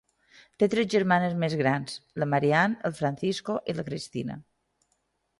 Té tres germans més grans, la Marian, el Francisco i la Cristina.